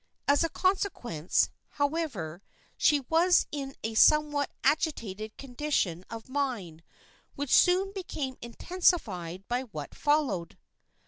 As a consequence, however, she was in a somewhat agitated condition of mind, which soon became intensified by what followed.